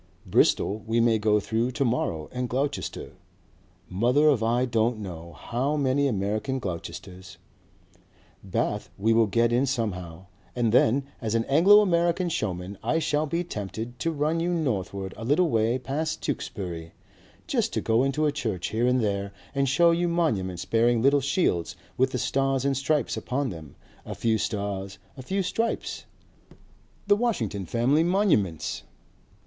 Bristol we may go through to morrow and Gloucester, mother of I don't know how many American Gloucesters. Bath we'll get in somehow. And then as an Anglo American showman I shall be tempted to run you northward a little way past Tewkesbury, just to go into a church here and there and show you monuments bearing little shields with the stars and stripes upon them, a few stars and a few stripes, the Washington family monuments."